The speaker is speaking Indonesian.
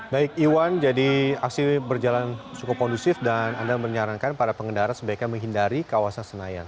baik iwan jadi aksi berjalan cukup kondusif dan anda menyarankan para pengendara sebaiknya menghindari kawasan senayan